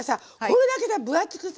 これだけさ分厚く